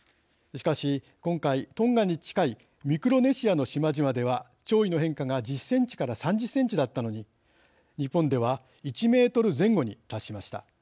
しかし今回、トンガに近いミクロネシアの島々では潮位の変化が１０センチから３０センチだったのに日本では１メートル前後に達しました。